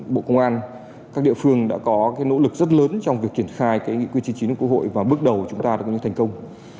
bộ công an các địa phương đã có nỗ lực rất lớn trong việc kiển khai cái quyết trí chính của quốc hội và bước đầu chúng ta đã có những thành công